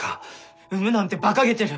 産むなんてばかげてる。